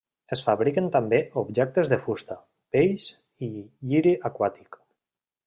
Es fabriquen també objectes de fusta, pells i lliri aquàtic.